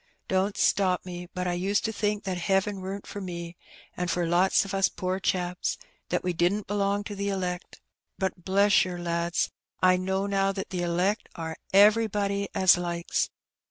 Don't stop me ; but I used to think that heaven wer'n't for me, and for lots o' us poor chaps — ^that we didn't belong to the elect; but, bless yer, lads, I know now that the elect are everybody as likes.